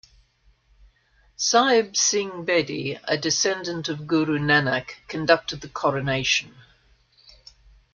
Sahib Singh Bedi, a descendant of Guru Nanak, conducted the coronation.